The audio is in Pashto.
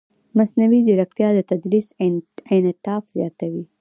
مصنوعي ځیرکتیا د تدریس انعطاف زیاتوي.